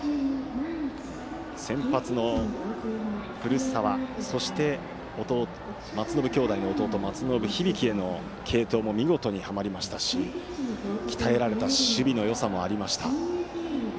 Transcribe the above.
先発の古澤松延兄弟の弟・松延響への継投も見事にはまりましたし鍛え上げられた守備のよさもありました。